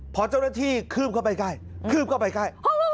พอเจ้าหน้าที่คืบเข้าไปใกล้คืบเข้าไปใกล้